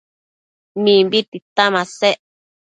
Mimbi tita masec